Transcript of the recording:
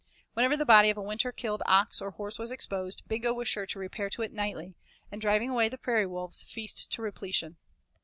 Whenever the body of a winter killed ox or horse was exposed, Bingo was sure to repair to it nightly, and driving away the prairie wolves, feast to repletion.